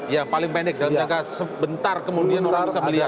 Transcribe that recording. ya paling pendek dalam jangka sebentar kemudian orang bisa melihat